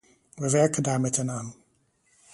We werken daar met hen aan.